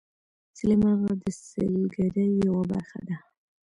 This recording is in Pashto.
سلیمان غر د سیلګرۍ یوه برخه ده.